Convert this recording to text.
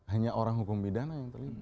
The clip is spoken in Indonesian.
hanya orang hukum pidana yang terlibat